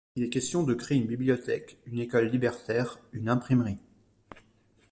Il est question de créer une bibliothèque, une école libertaire, une imprimerie.